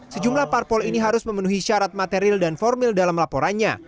sejumlah parpol ini harus memenuhi syarat material dan formil dalam laporannya